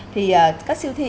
thì các siêu thị